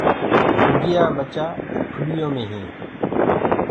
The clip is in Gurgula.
موُرگيآ ڀچآ کُڏيو مي هينٚ۔